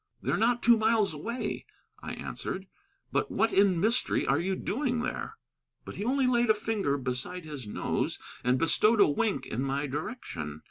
"They're not two miles away," I answered. "But what in mystery are you doing there?" But he only laid a finger beside his nose and bestowed a wink in my direction.